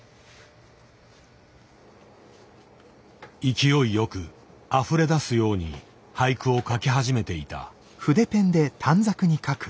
勢いよくあふれ出すように俳句を書き始めていた。